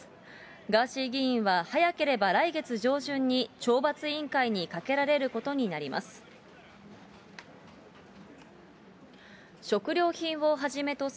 ガーシー議員は、早ければ来月上旬に懲罰委員会にかけられることになります。